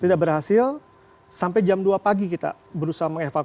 tidak berhasil sampai jam dua pagi kita berusaha menarik mobil sng